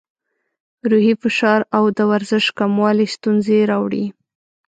روحي فشار او د ورزش کموالی ستونزې راوړي.